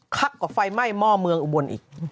กว่าไฟไหม้หม้อเมืองอุบลอีก